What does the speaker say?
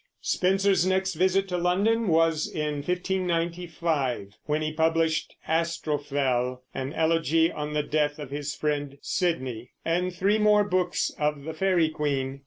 Spenser's next visit to London was in 1595, when he published "Astrophel," an elegy on the death of his friend Sidney, and three more books of the Faery Queen.